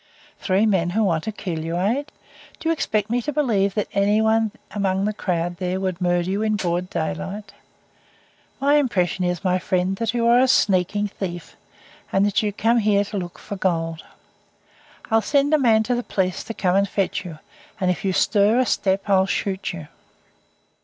"Three men who want to kill you, eh? Do you expect me to believe that anybody among the crowd there would murder you in broad daylight? My impression is, my friend, that you are a sneaking thief, and that you came here to look for gold. I'll send a man to the police to come and fetch you, and if you stir a step I'll shoot you."